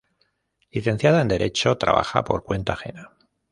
Licenciada en Derecho, trabaja por cuenta ajena.